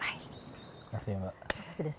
makasih mbak makasih desy